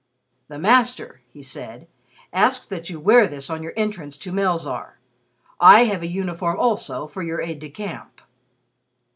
"The Master," he said, "asks that you wear this on your entrance to Melzarr. I have a uniform, also, for your aide de camp."